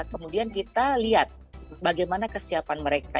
kemudian kita lihat bagaimana kesiapan mereka